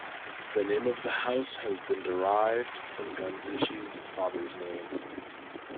The name of the house has been derived from Gandhiji's father's name.